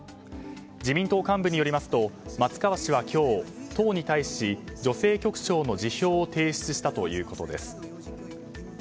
自民党幹部によりますと松川氏は今日党に対し女性局長の辞表を提出したということです。